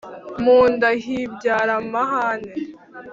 Mu nda hibyara amahane